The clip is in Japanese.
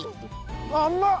甘っ！